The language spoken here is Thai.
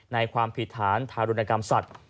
ความผิดฐานทารุณกรรมสัตว์